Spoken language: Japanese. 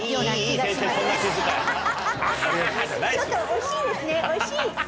惜しいですね惜しい。